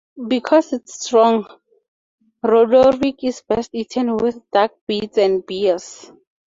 Because it's so strong, Rodoric is best eaten with dark breads and beers.